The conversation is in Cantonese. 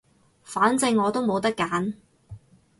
反正我都冇得揀